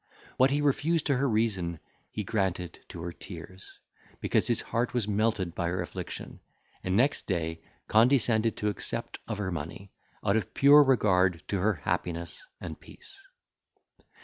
What he refused to her reason, he granted to her tears, because his heart was melted by her affliction, and next day condescended to accept of her money, out of pure regard to her happiness and peace.